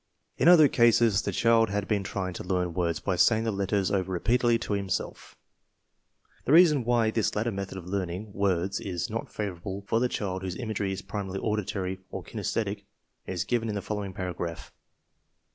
In other cases the child had been trying to learn words by saying the letters over repeatedly to himself. CORRECTIVE AND ADJUSTMENT CASES 105 The reason why this latter method of learning words is not favorable for the child whose imagery is primarily auditory or kinesthetic is given in the f ollowing para graph.